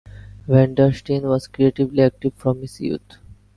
Vandersteen was creatively active from his youth.